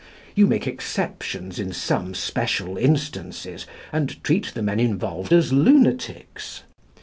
You make exceptions in some special instances, and treat the men involved as lunatics.